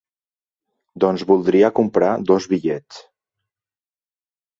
Doncs voldria comprar dos bitllets.